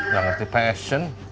gak ngerti passion